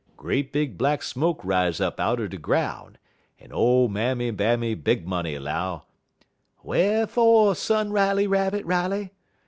"Great big black smoke rise up out er de groun', en ole Mammy Bammy Big Money 'low: "'Wharfo', Son Riley Rabbit, Riley?